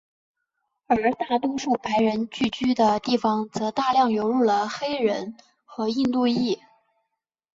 而大多数白人聚居的地方则大量流入了黑人和印度裔。